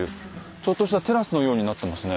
ちょっとしたテラスのようになってますね。